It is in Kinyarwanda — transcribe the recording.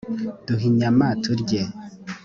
duhe inyama turye